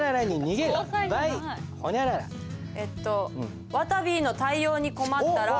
えっとわたびの対応に困ったら。